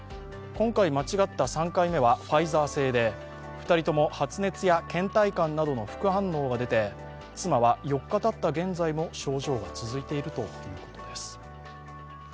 今回、間違った３回目はファイザー製で２人とも発熱やけん怠感などの副反応が出て妻は４日たった現在も症状が続いているということです。